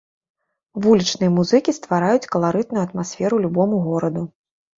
Вулічныя музыкі ствараюць каларытную атмасферу любому гораду.